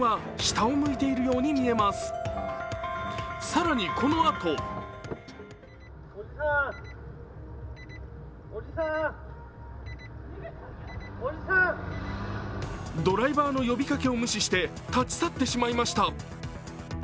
更に、このあとドライバーの呼びかけを無視して立ち去ってしまいました。